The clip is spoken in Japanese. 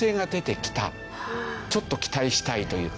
ちょっと期待したいという。